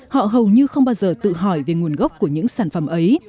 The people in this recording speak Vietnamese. họ hầu như không bao giờ tự hỏi về nguồn gốc của những sản phẩm ấy